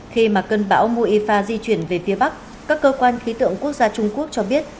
khi mà cơn bão moifa di chuyển về phía bắc các cơ quan khí tượng quốc gia trung quốc cho biết